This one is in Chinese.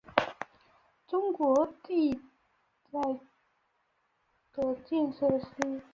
中国近代著名的建筑师。